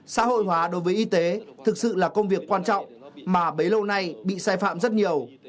xã hội hóa đối với y tế thực sự là công việc quan trọng mà bấy lâu nay bị sai phạm rất nhiều